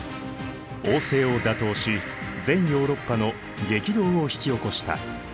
王政を打倒し全ヨーロッパの激動を引き起こした。